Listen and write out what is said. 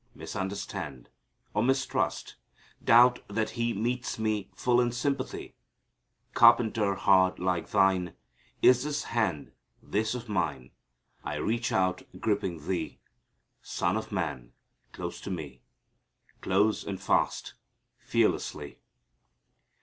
Misunderstand Or mistrust? Doubt that He Meets me full in sympathy? "Carpenter' hard like Thine Is this hand this of mine; I reach out, gripping Thee, Son of Man, close to me, Close and fast, fearlessly."